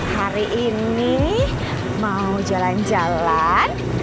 hari ini mau jalan jalan